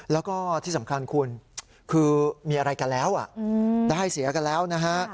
แล้วก็ที่สำคัญคุณคือมีอะไรกันแล้วได้เสียกันแล้วนะฮะ